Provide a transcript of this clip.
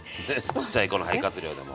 ちっちゃい子の肺活量でも。